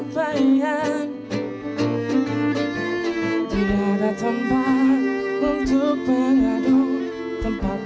saya baru mau mulai kan